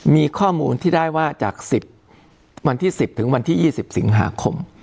มีข้อมูลที่ได้ว่าจาก๑๐วันที่๑๐ถึงวันที่๒๐สิงหาคม